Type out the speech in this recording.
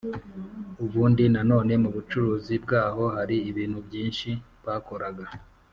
ubundi na none mu bucuzi bwaho hari ibintu byinshi bakoraga